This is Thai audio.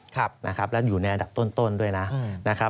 ครับนะครับแล้วอยู่ในอันดับต้นด้วยนะครับ